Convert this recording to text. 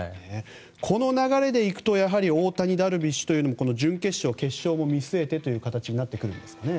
この流れで行くと大谷、ダルビッシュというのも準決勝、決勝も見据えてということになってくるんですかね。